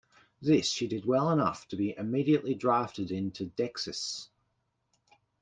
This she did well enough to be immediately drafted into Dexys.